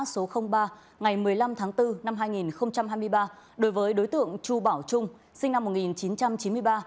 số ba ngày một mươi năm tháng bốn năm hai nghìn hai mươi ba đối với đối tượng chu bảo trung sinh năm một nghìn chín trăm chín mươi ba